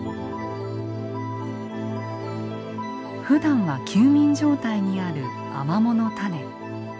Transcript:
ふだんは休眠状態にあるアマモの種。